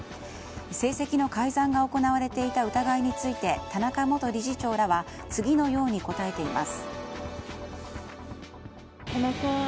成績の改ざんが行われていた疑いについて田中元理事長らは次のように答えています。